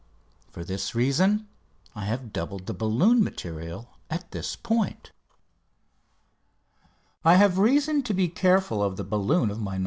For this reason I have doubled the balloon material at this point. I have reason to be careful of the balloon of my "No.